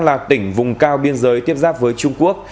là tỉnh vùng cao biên giới tiếp giáp với trung quốc